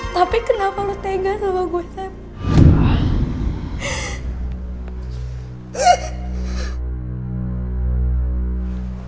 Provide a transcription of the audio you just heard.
tapi kenapa lo tegas sama gue sam